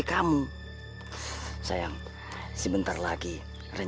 cepat kejar wahyu